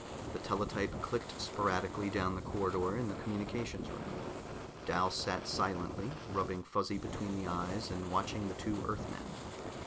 The teletype clicked sporadically down the corridor in the communications room. Dal sat silently, rubbing Fuzzy between the eyes and watching the two Earthmen.